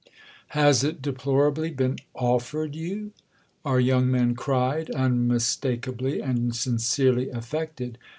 "Has it deplorably been offered you?" our young man cried, unmistakably and sincerely affected.